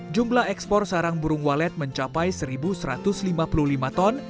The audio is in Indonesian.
jumlah ekspor sarang burung walet mencapai satu satu ratus lima puluh lima ton